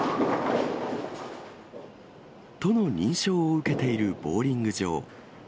都の認証を受けているボウリング場。